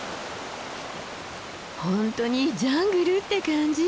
本当にジャングルって感じ。